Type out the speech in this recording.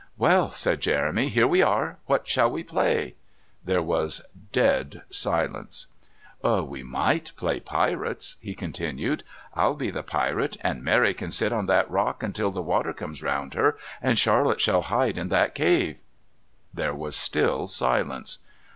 "Well," said Jeremy, "here we are. What shall we play?" There was dead silence. "We might play pirates," he continued. "I'll be the pirate, and Mary can sit on that rock until the water comes round her, and Charlotte shall hide in that cave " There was still silence.